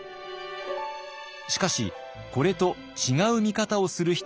しかしこれと違う見方をする人がいます。